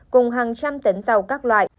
cùng hàng trăm tấn rau các loại